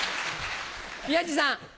宮治さん。